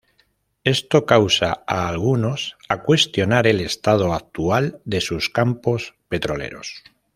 Esto causa a algunos a cuestionar el estado actual de sus campos petroleros.